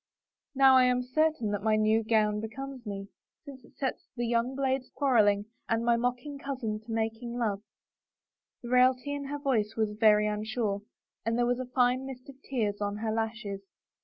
" Now I am certain that my new gown becomes me, since it sets the young 'blades quarreling and my mocking cousin to making love I " The raillery in her voice was very unsure, and there was a fine mist of tears on her lashes.